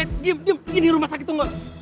eh diem diem ini rumah sakit dong lo